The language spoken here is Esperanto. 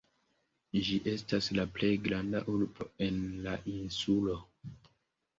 Ĝi estas la plej granda urbo en la insulo.